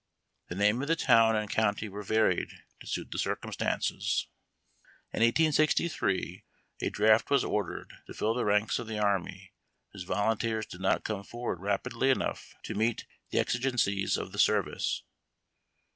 The name of the town and county were varied to suit the ?\\ circumstances. ;, i . In 1863 a draft was ordered to fill the ranks of the army, ^l ^j^y^^ as volunteers did not come for ward rapidly enough to meet the exigencies of the service.